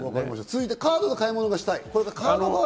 続いてカードで買い物がしたい。